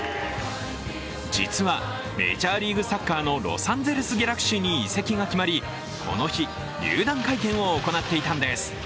実はメジャーリーグサッカーのロサンゼルス・ギャラクシーに移籍が決まり、この日、入団会見を行っていたんです。